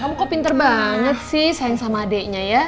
kamu kok pinter banget sih sayang sama adiknya ya